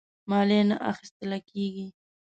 مالیه نه اخیستله کیږي.